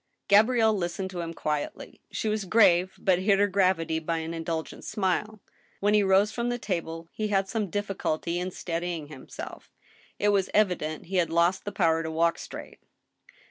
Gabrielle listened to him quietly. She was grave, but hid her gravity by an indulgent smile. When he rose from table he had some difficulty in steadying himself. It was evident he had lost the power to walk straight.